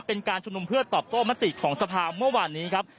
เป็นการชุมนุมเพื่อตอบโต้มติของสภาเมื่อวานนี้ครับ